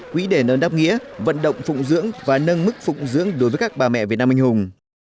quỹ đề nơn đáp nghĩa vận động phụng dưỡng và nâng mức phụng dưỡng đối với các bà mẹ việt nam anh hùng